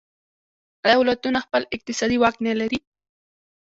آیا ولایتونه خپل اقتصادي واک نلري؟